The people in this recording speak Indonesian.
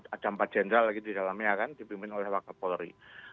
ada empat jenderal lagi di dalamnya kan dipimpin oleh wakapolri